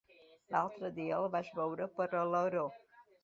L'altre dia el vaig veure per Alaró.